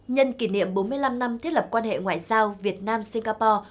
nhân kỷ niệm bốn mươi năm năm thiết lập quan hệ ngoại giao việt nam singapore